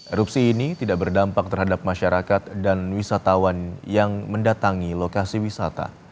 erupsi ini tidak berdampak terhadap masyarakat dan wisatawan yang mendatangi lokasi wisata